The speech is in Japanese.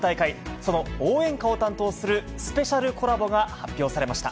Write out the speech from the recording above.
その応援歌を担当するスペシャルコラボが発表されました。